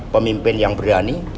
pemimpin yang berani